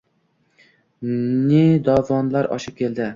Ne dovonlar oshib keldi